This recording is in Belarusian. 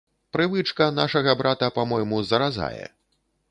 Прывычка нашага брата, па-мойму, заразае.